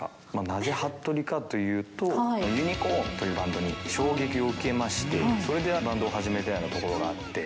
なぜ、はっとりかというと、ユニコーンというバンドに衝撃を受けまして、それでバンドを始めたようなところがあって。